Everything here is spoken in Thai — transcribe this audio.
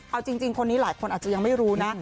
เอาจริงคนนี้หลายคนอาจจะยังไม่รู้นะ